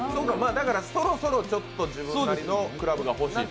そろそろちょっと自分なりのクラブがほしい？